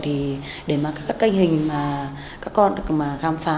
thì để mà các kênh hình mà các con được mà găm phá